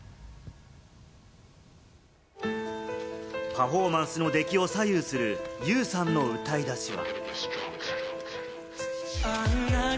パフォーマンスの出来を左右するユウさんの歌い出しは。